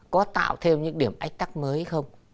có tạo thêm những điểm ách tắc mới không